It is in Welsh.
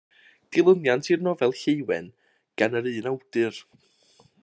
Dilyniant i'r nofel Lleuwen gan yr un awdur.